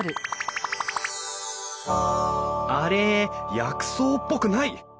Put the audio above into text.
あれ薬草っぽくない！